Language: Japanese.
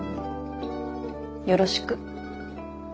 よろしく。